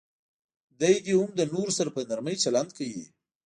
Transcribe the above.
دی دې هم له نورو سره په نرمي چلند کوي.